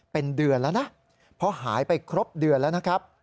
เป็นเดือนแล้วนะเพราะหายไปครบเดือนแล้วนะครับ